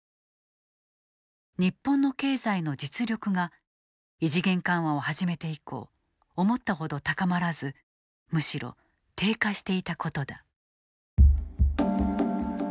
日本の経済の実力が異次元緩和を始めて以降思ったほど高まらずむしろ低下していたことだ。